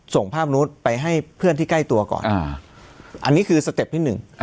ส่งภาพนู้นไปให้เพื่อนที่ใกล้ตัวก่อนอันนี้คือสเต็ปที่หนึ่ง